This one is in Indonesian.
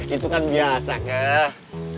itu kan biasa keh